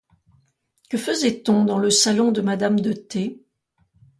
Que faisait-on dans le salon de madame de T.?